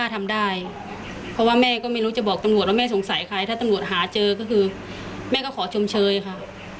ทำได้เพราะว่าแม่ก็ไม่รู้จะบอกตำรวจว่าแม่สงสัยใครถ้าตำรวจหาเจอก็คือแม่ก็ขอชมเชยค่ะ